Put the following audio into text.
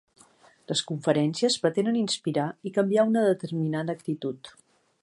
Les conferències pretenen inspirar i canviar una determinada actitud.